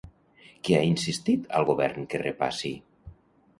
Què ha insistit al govern que repassi?